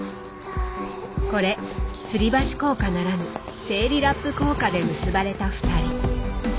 これつり橋効果ならぬ生理ラップ効果で結ばれた２人。